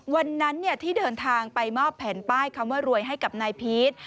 วันนั้นที่เดินทางไปมอบแผนป้ายคำว่ารวยให้กับนายพีช